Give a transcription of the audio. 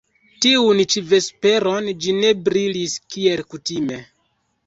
Tiun ĉi vesperon ĝi ne brilis kiel kutime.